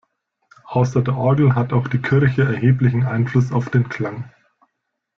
Außer der Orgel hat auch die Kirche erheblichen Einfluss auf den Klang.